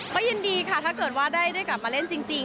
ก็ยินดีค่ะถ้าเกิดว่าได้กลับมาเล่นจริง